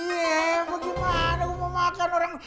iya bagaimana gua mau makan orang